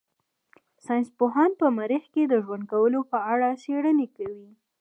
ساينس پوهان په مريخ کې د ژوند کولو په اړه څېړنې کوي.